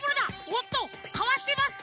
おっとかわしてます